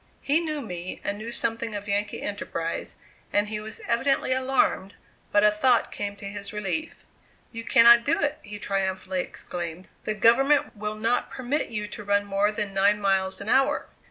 He knew me, and knew something of Yankee enterprise, and he was evidently alarmed, but a thought came to his relief: "You cannot do it," he triumphantly exclaimed; "the government will not permit you to run more than nine miles an hour."